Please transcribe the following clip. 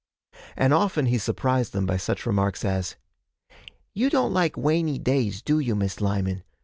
And often he surprised them by such remarks as 'You don't like wainy days, do you, Miss Lyman?